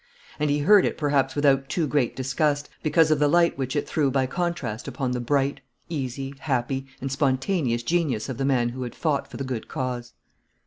And he heard it perhaps without too great disgust, because of the light which it threw by contrast upon the bright, easy, happy, and spontaneous genius of the man who had fought for the good cause.